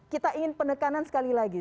kita ingin penekanan sekali lagi